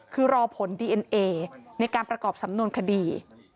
คือรอผลดีเอ็นเอในการประกอบสำนวนคดี